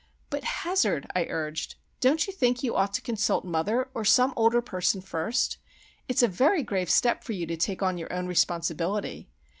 "But, Hazard," I urged, "don't you think you ought to consult mother, or some older person, first? It's a very grave step for you to take on your own responsibility.